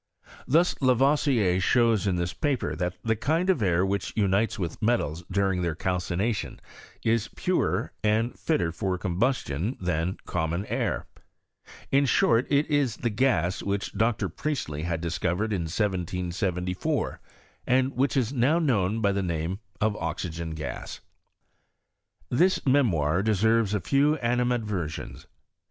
Thus Lavoisier shows in this paper that the kind of air which unites with metals daring their calcination is purer and fitter for combustion than common air, la short it is the gas which Dr. Priestley had dis covered in 1774, and which is now known by the name of oxygen gas. This Memoir deserves a few animadversions.